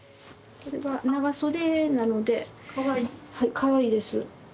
これが長袖なのでかわいいです。